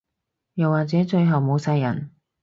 又或者最後冇晒人